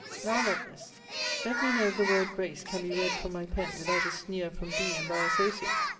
Now, Lovelace, let me know if the word grace can be read from my pen without a sneer from thee and thy associates?